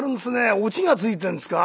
オチがついてんですか？」。